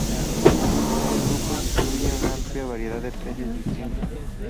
Este grupo incluye una amplia variedad de peces distintos.